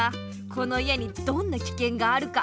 この家にどんなきけんがあるか。